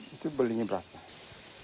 itu belinya berapa